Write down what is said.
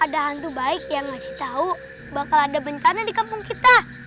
ada hantu baik yang ngasih tahu bakal ada bencana di kampung kita